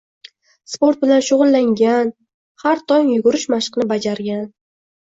Sport bilan shug`ullangan, har tong yugurish mashqini bajargan